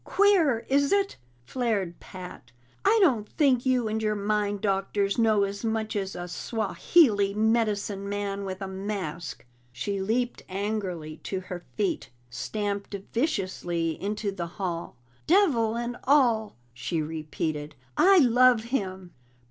"Queer, is it?" flared Pat. "I don't think you and your mind doctors know as much as a Swahili medicine man with a mask!" She leaped angrily to her feet, stamped viciously into the hall. "Devil and all," she repeated, "I love him!"